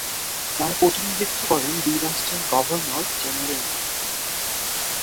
তার প্রতিনিধিত্ব করেন দুই রাষ্ট্রের গভর্নর-জেনারেলগণ।